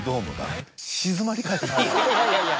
いやいやいや。